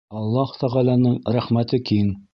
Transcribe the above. Аллаһ тәғәләнең рәхмәте киң.